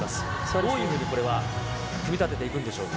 どういうふうにこれは組み立てていくんでしょうか。